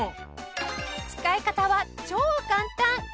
使い方は超簡単！